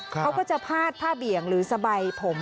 เขาก็จะพาดผ้าเบี่ยงหรือสบายผม